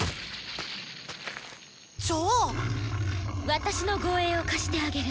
私の護衛を貸してあげる。